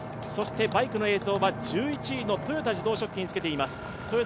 バイクの映像は１１位の豊田自動織機につけています。